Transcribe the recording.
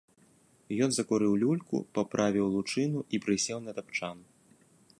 Ён закурыў люльку, паправіў лучыну і прысеў на тапчан.